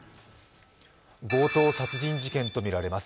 強盗殺人事件とみられます。